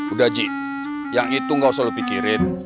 udah ji yang itu gak usah lo pikirin